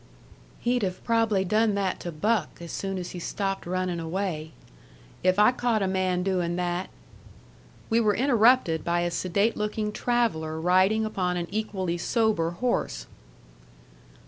"He'd have prob'ly done that to Buck as soon as he stopped runnin' away. If I caught a man doin' that " We were interrupted by a sedate looking traveller riding upon an equally sober horse.